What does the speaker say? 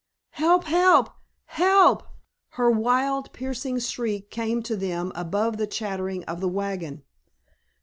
"Help, help, help!" her wild, piercing shriek came to them above the clattering of the wagon.